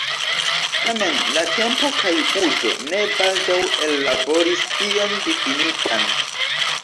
Tamen "la tempo kaj uzo" ne baldaŭ ellaboris ion difinitan.